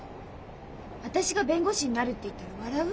私が弁護士になるって言ったら笑う？